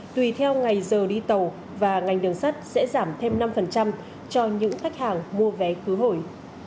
tùy theo ngày giờ đi tàu và ngành đường sắt sẽ giảm thêm năm cho những khách hàng mua vé khứ hồi